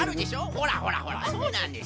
ほらほらほらそうなんですよ。